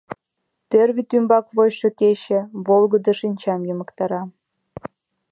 Тӧр вӱд ӱмбак вочшо кече волгыдо шинчам йымыктара.